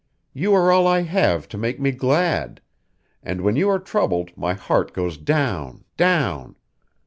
You are all I have to make me glad, and when you are troubled my heart goes down, down.